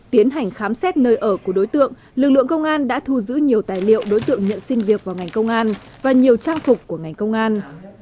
tiến hành khám xét nơi ở của đối tượng lực lượng công an đã thu giữ nhiều tài liệu đối tượng nhận xin việc vào ngành công an và nhiều trang phục của ngành công an